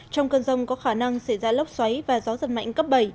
trong cơn rông có khả năng xảy ra lốc xoáy và gió giật mạnh cấp bảy